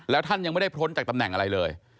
แล้วท่านยังไม่ได้พ้นจากตำแหน่งอะไรเลย